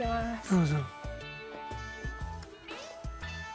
どうぞ。